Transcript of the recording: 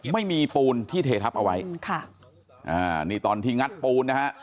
ไม่มีปูนที่เททับเอาไว้ค่ะอ่านี่ตอนที่งัดปูนนะฮะ